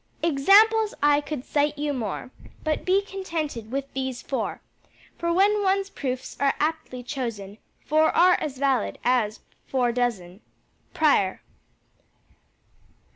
"Examples I could cite you more; But be contented with these four; For when one's proofs are aptly chosen, Four are as valid as four dozen." PRIOR.